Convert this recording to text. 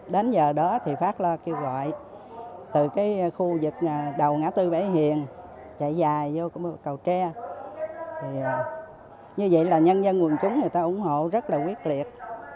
đến giờ đó thì phát lo kêu gọi từ cái khu vực đầu ngã tư bãi hiền chạy dài vô cầu tre như vậy là nhân dân quân chúng người ta ủng hộ rất là quyết liệt